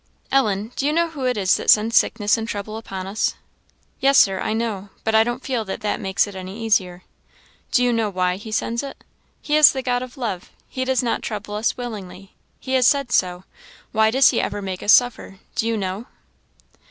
"Ellen, do you know who it is that sends sickness and trouble upon us?" "Yes, Sir, I know; but I don't feel that that makes it any easier." "Do you know why he sends it? He is the God of love he does not trouble us willingly he has said so; why does he ever make us suffer? do you know?"